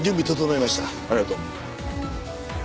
ありがとう。